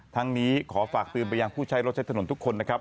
ทั้งนี้ขอฝากเตือนไปยังผู้ใช้รถใช้ถนนทุกคนนะครับ